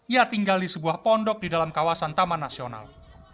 ia tinggal di sebuah pondok di dalam kawasan taman nasional